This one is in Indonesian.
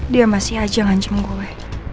dia masih aja ngajem gue